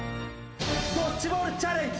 ドッジボールチャレンジ。